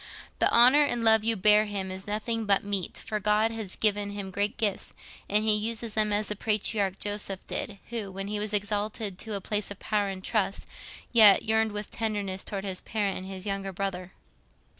The honour and love you bear him is nothing but meet, for God has given him great gifts, and he uses them as the patriarch Joseph did, who, when he was exalted to a place of power and trust, yet yearned with tenderness towards his parent and his younger brother.